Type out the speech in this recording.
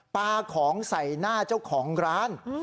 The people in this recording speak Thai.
ปลาของใส่หน้าเจ้าของร้าน